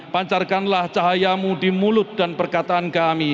pancarkanlah cahaya muziknya